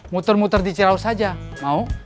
muter muter di cirau saja mau